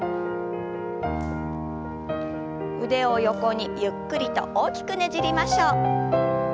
腕を横にゆっくりと大きくねじりましょう。